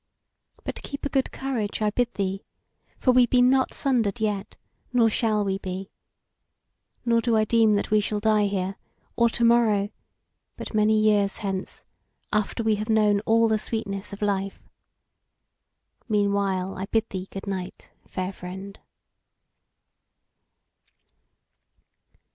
But keep a good courage, I bid thee; for we be not sundered yet, nor shall we be. Nor do I deem that we shall die here, or to morrow; but many years hence, after we have known all the sweetness of life. Meanwhile, I bid thee good night, fair friend!"